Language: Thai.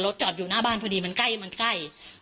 รถจอดอยู่หน้าบ้านพอดีมันใกล้